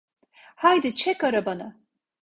Haydi, çek arabanı!